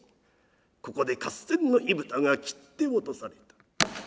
ここで合戦の火蓋が切って落とされた。